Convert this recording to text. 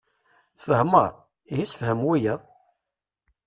Tfehmeḍ! Ihi ssefhem wiyaḍ.